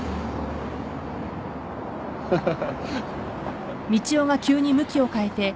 ハハハ。